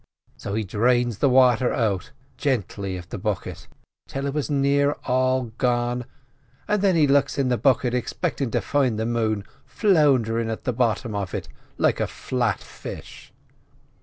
So he drains the wather out gently of the bucket till it was near all gone, an' then he looks into the bucket expectin' to find the moon flounderin' in the bottom of it like a flat fish.